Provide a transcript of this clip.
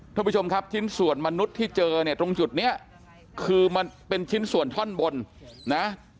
ท่านผู้ชมครับชิ้นส่วนมนุษย์ที่เจอเนี่ยตรงจุดนี้คือมันเป็นชิ้นส่วนท่อนบนนะ